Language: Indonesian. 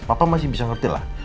papa masih bisa ngerti lah